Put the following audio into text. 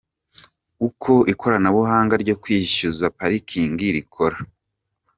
Uko ikoranabunga ryo kwishyuza parikingi rikora.